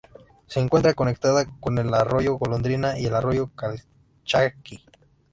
Se encuentra conectada con el Arroyo Golondrina y el Arroyo Calchaquí.